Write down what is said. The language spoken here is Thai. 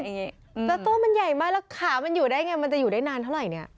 แล้วโต๊ะมันใหญ่มากยังไงล่ะค่ะขามันจะอยู่ได้เท่าไหร่เนี่ย